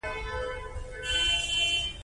بیدار اوسئ او د خپل وطن ساتنه وکړئ.